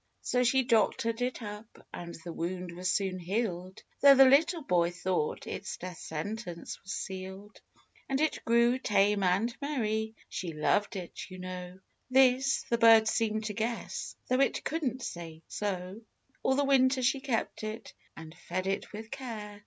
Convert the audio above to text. So she doctored it up, and the wound was soon healed, Though the little hoy thought its death sentence was sealed ; And it grew tame and merry, — she loved it, you know, — This the bird seemed to guess, though it couldn'l say so. 76 THE GRATEFUL BIRD. All the winter she kept it, and fed it with care.